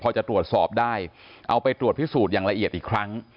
พอจะตรวจสอบได้เอาไปตรวจพิสูจน์อย่างละเอียดอีกครั้ง